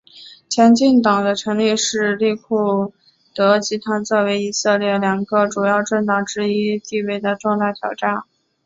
前进党的成立是利库德集团作为以色列两个主要政党之一地位的重大挑战。